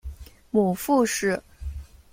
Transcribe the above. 母傅氏。